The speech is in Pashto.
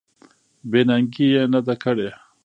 بې ننګي یې نه ده کړې.